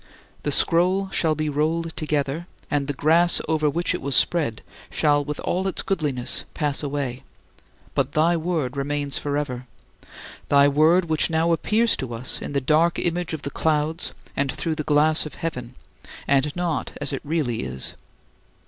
The scroll shall be rolled together, and the "grass" over which it was spread shall, with all its goodliness, pass away; but thy Word remains forever thy Word which now appears to us in the dark image of the clouds and through the glass of heaven, and not as it really is.